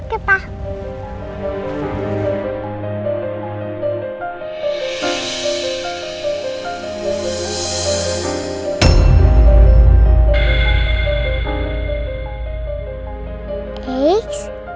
riana yang n anytime slides